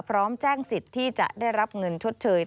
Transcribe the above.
พร้อมแจ้งสิทธิ์ที่จะได้รับเงินชดเชย